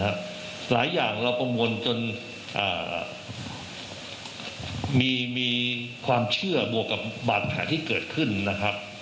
หลายอย่างเราประมวลจนมีความเชื่อบวกกับบาดแผลที่เกิดขึ้นนะครับ